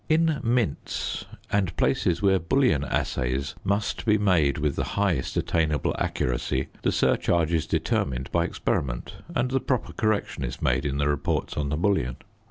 In Mints and places where bullion assays must be made with the highest attainable accuracy, the surcharge is determined by experiment, and the proper correction is made in the reports on the bullion.